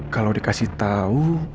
kalau dikasih tau